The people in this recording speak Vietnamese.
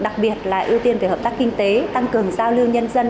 đặc biệt là ưu tiên về hợp tác kinh tế tăng cường giao lưu nhân dân